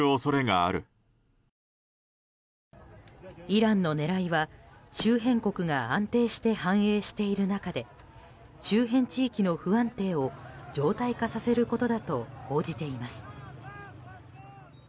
イランの狙いは周辺国が安定して繁栄している中で周辺地域の不安定を常態化させることだと報じています。